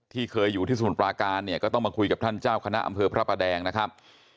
เคยอยู่ที่สมุทรปราการเนี่ยก็ต้องมาคุยกับท่านเจ้าคณะอำเภอพระประแดงนะครับ